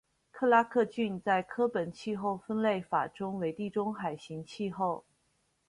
克拉克郡在柯本气候分类法中为地中海型气候。